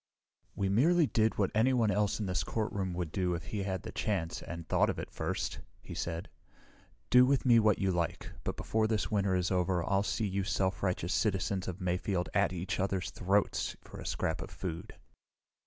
"We merely did what anyone else in this courtroom would do if he had the chance, and thought of it first," he said. "Do with me what you like, but before this winter is over, I'll see you self righteous citizens of Mayfield at each other's throats for a scrap of food."